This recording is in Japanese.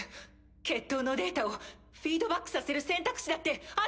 決闘のデータをフィードバックさせる選択肢だってあるのでは。